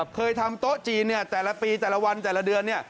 เคยทำโต๊ะจีนแต่ละปีแต่ละวันแต่ละเดือนเนี่ย